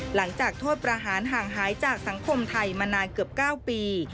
หลังจากโทษประหารห่างหายจากสังคมไทยมานานเกือบ๙ปี